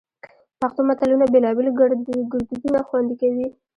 پښتو متلونه بېلابېل ګړدودونه خوندي کوي